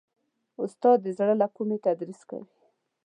استاد د زړه له کومي تدریس کوي.